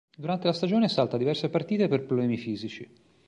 Durante la stagione salta diverse partite per problemi fisici.